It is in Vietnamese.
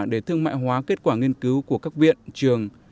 để thương mại hóa kết quả nghiên cứu của các viện trường